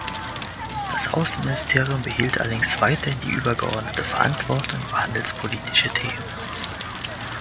Das Außenministerium behielt allerdings weiterhin die übergeordnete Verantwortung über handelspolitische Themen.